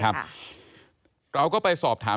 เผื่อเขายังไม่ได้งาน